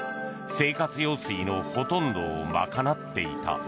生活用水のほとんどをまかなっていた。